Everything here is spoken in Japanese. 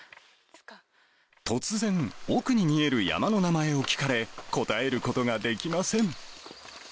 突然、奥に見える山の名前を聞かれ、答えることができません。